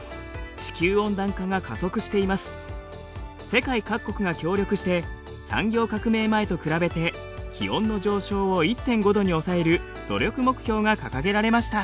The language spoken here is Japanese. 世界各国が協力して産業革命前と比べて気温の上昇を１．５度に抑える努力目標が掲げられました。